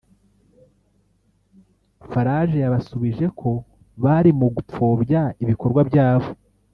Farage yabasubije ko bari mu “gupfobya” ibikorwa byabo